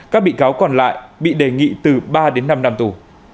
các bị cáo còn lại bị đề nghị từ ba đến năm năm tù